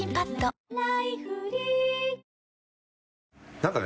何かね